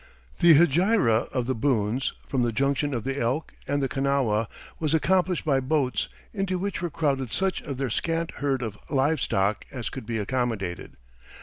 The hegira of the Boones, from the junction of the Elk and the Kanawha, was accomplished by boats, into which were crowded such of their scant herd of live stock as could be accommodated.